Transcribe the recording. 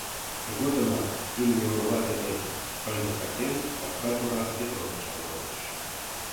Тыгодымак, имне орва дене пыльдыртатен, капка тура Петроп чарналтыш.